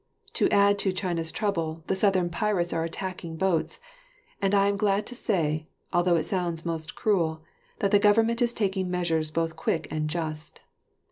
To add to China's trouble, the Southern pirates are attacking boats; and I am glad to say, although it sounds most cruel, that the government is taking measures both quick and just.